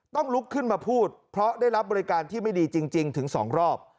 ลุกขึ้นมาพูดเพราะได้รับบริการที่ไม่ดีจริงถึง๒รอบ